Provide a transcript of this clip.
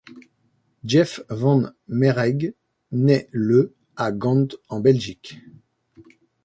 Jef Van Meirhaeghe naît le à Gand en Belgique.